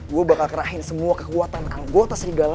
gue bakal kerahin semua kekuatan kang gota serigala